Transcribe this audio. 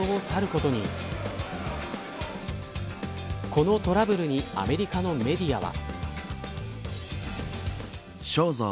このトラブルにアメリカのメディアは。